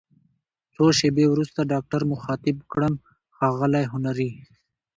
څو شیبې وروسته ډاکټر مخاطب کړم: ښاغلی هنري!